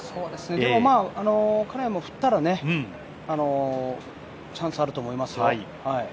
でも、金谷も振ったらチャンスあると思いますよ。